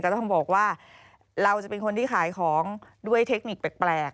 ต้องบอกว่าเราจะเป็นคนที่ขายของด้วยเทคนิคแปลก